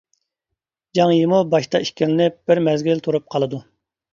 جاڭ يىمۇ باشتا ئىككىلىنىپ بىر مەزگىل تۇرۇپ قالىدۇ.